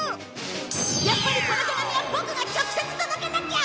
やっぱりこの手紙はボクが直接届けなきゃ！